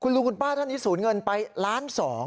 ลุงคุณป้าท่านนี้สูญเงินไปล้านสอง